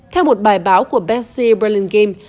theo một bài báo của bessie berlin game